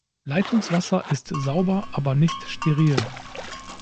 Leitungswasser ist sauber, aber nicht steril.